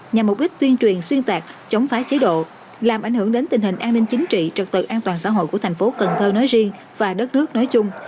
nhằm mục đích tuyên truyền xuyên tạc chống phá chế độ làm ảnh hưởng đến tình hình an ninh chính trị trật tự an toàn xã hội của thành phố cần thơ nói riêng và đất nước nói chung